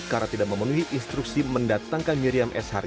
karena tidak memenuhi instruksi mendatangkan miriam s harian